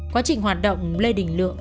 quá trình hoạt động lê đình lượng